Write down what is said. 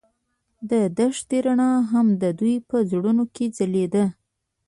د دښته رڼا هم د دوی په زړونو کې ځلېده.